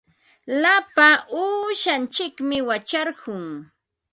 Lapa uushantsikmi wacharqun.